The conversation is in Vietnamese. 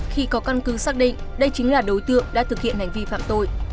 khi có căn cứ xác định đây chính là đối tượng đã thực hiện hành vi phạm tội